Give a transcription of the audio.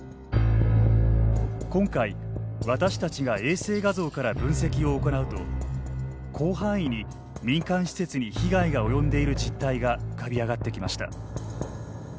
今回私たちが衛星画像から分析を行うと広範囲に民間施設に被害が及んでいる実態が浮かび上がってきました。